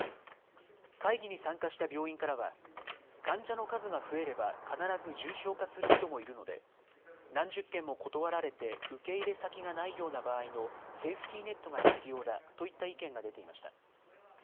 会議に参加した病院からは患者の数が増えれば必ず重症化する人もいるので、何十件も断られて受け入れ先がないような場合のセーフティーネットが必要だといった意見が出ていました。